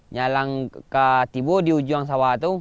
nyalang ke tibu di ujung sawah itu